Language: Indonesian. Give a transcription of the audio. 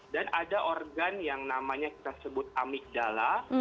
dan ada organ yang namanya kita sebut amigdala